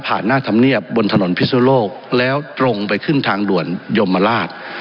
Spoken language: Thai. หน้าธรรมเนียบบนถนนพิสุโลกแล้วตรงไปขึ้นทางด่วนยมราช